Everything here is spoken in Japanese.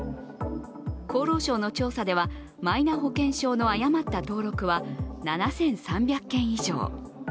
厚労省の調査では、マイナ保険証の誤った登録は７３００件以上。